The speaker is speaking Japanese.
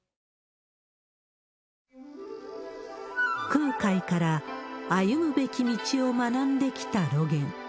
空海から歩むべき道を学んできた露巌。